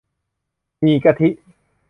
หมี่กะทิ